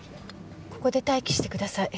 ここで待機してください。